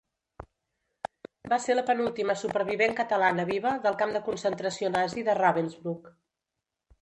Va ser la penúltima supervivent catalana viva del camp de concentració nazi de Ravensbrück.